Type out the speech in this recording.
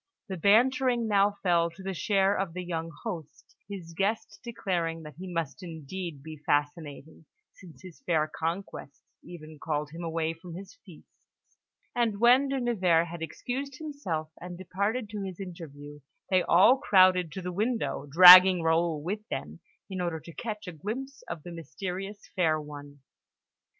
The bantering now fell to the share of the young host, his guests declaring that he must indeed be fascinating, since his fair conquests even called him away from his feasts; and when De Nevers had excused himself, and departed to his interview, they all crowded to the window, dragging Raoul with them, in order to catch a glimpse of the mysterious fair one.